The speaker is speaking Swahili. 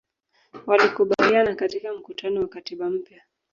walikubaliana katika mkutano wa katiba mpya